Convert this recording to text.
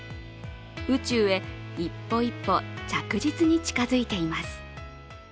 宇宙へ一歩一歩、着実に近付いています。